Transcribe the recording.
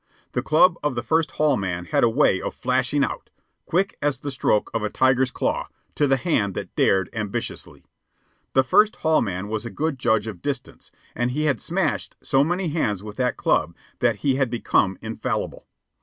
The club of the First Hall man had a way of flashing out quick as the stroke of a tiger's claw to the hand that dared ambitiously. The First Hall man was a good judge of distance, and he had smashed so many hands with that club that he had become infallible.